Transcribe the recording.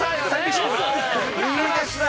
いいですね。